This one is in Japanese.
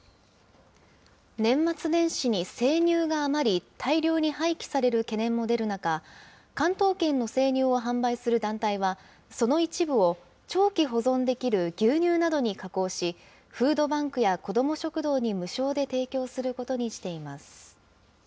年末年始に生乳が余り、大量に廃棄される懸念も出る中、関東圏の生乳を販売する団体は、その一部を、長期保存できる牛乳などに加工し、フードバンクや子ども食堂に無償で提供することにしています。